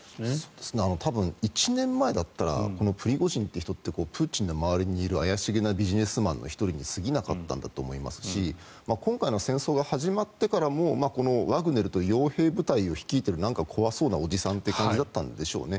多分、１年前だったらプリゴジンという人ってプーチンの周りにいる怪しげなビジネスマンの１人に過ぎなかったんだと思いますし今回の戦争が始まってからもワグネルという傭兵部隊を率いている怖そうなおじさんという感じだったんでしょうね。